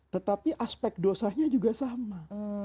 tetapi aspek dosanya juga sama